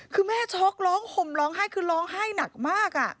คือแม่ช็อกร้องห่มร้องไห้คือร้องไห้หนักมาก